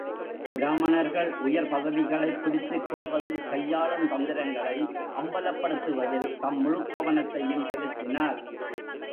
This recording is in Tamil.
பிராமணர்கள் உயர் பதவிகளைப் பிடித்துக் கொள்வதில் கையாளும் தந்திரங்களை அம்பலப்படுத்துவதில் தம் முழுக்கவனத்தையும் செலுத்தினார்.